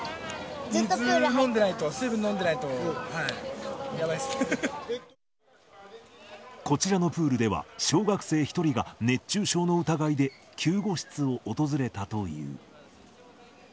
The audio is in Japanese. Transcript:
水飲んでないと、水分飲んでこちらのプールでは、小学生１人が熱中症の疑いで、救護室を訪れたという。